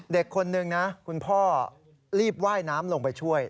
เด็กคนนึงนะคุณพ่อรีบว่ายน้ำลงไปช่วย